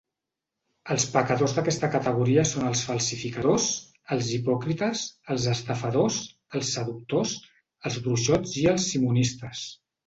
Els pecadors d'aquesta categoria són els falsificadors, els hipòcrites, els estafadors, els seductors, els bruixots i els simonistes.